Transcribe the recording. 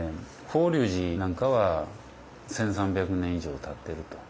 法隆寺なんかは１，３００年以上たってると。